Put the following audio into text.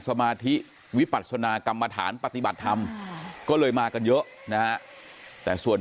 สมาธิวิปัศนากรรมฐานปฏิบัติธรรมก็เลยมากันเยอะนะฮะแต่ส่วน